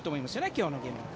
今日のゲームは。